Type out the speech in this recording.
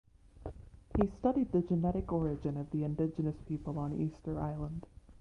He studied the genetic origin of the indigenous people on Easter Island.